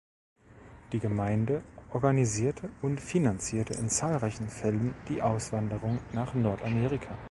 Die Gemeinde organisierte und finanzierte in zahlreichen Fällen die Auswanderung nach Nordamerika.